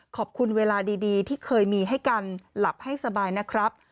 ขอบคุณเวลาดีที่เคยมีให้กันหลับให้สบายนะครับ